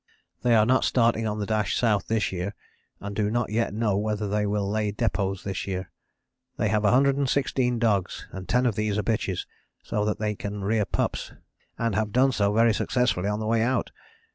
"They are not starting on the dash South this year and do not yet know whether they will lay depôts this year. They have 116 dogs and ten of these are bitches, so that they can rear pups, and have done so very successfully on the way out.